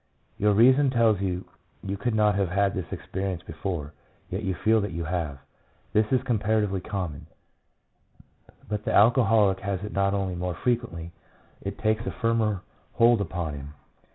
Your reason tells you you could not have had this experi ence before, yet you feel that you have. This is com paratively common; but the alcoholic has it not only more frequently — it takes a firmer hold upon him.